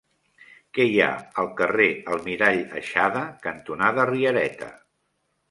Què hi ha al carrer Almirall Aixada cantonada Riereta?